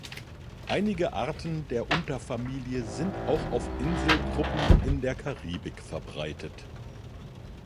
Einige Arten der Unterfamilie sind auch auf Inselgruppen in der Karibik verbreitet.